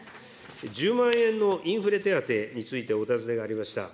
１０万円のインフレ手当についてお尋ねがありました。